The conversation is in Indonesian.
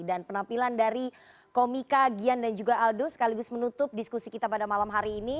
dan penampilan dari komika gian dan juga aldo sekaligus menutup diskusi kita pada malam hari ini